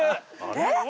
えっ？